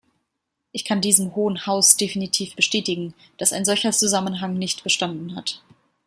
Ich kann diesem Hohen Haus definitiv bestätigen, dass ein solcher Zusammenhang nicht bestanden hat.